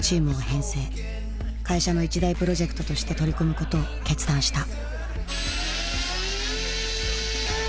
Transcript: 会社の一大プロジェクトとして取り組むことを決断した。